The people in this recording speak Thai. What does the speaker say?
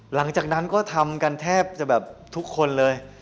หลังจากนั้นก็ทำกันแทบจะแบบทุกคนเลย